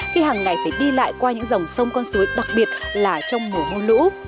khi hằng ngày phải đi lại qua những dòng sông con suối đặc biệt là trong mùa ngu lũ